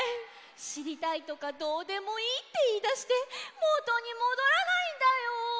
しりたいとかどうでもいいっていいだしてもとにもどらないんだよ！